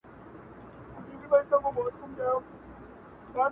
څوک یوازې را روان. څوک د بچیانو سره